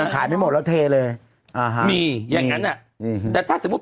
ขายไม่หมดแล้วเทเลยอ่าฮะมีอย่างงั้นอ่ะอืมแต่ถ้าสมมุติ